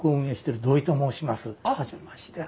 初めまして。